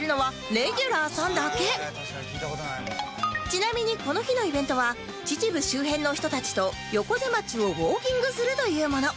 ちなみにこの日のイベントは秩父周辺の人たちと横瀬町をウオーキングするというもの